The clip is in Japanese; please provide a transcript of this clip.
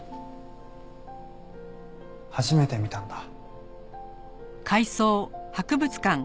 初めて見たんだ。